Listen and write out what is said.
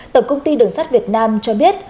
tổng công ty đường sắt việt nam cho biết